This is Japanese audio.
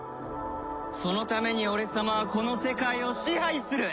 そのために俺様はこの世界を支配する！